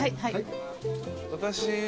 私。